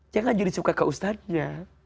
jangan jadi suka ke ustadznya